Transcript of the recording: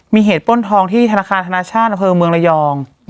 มีเหตุป้นทองที่ธนาคารธนาชาติอำเภอเมืองระยอง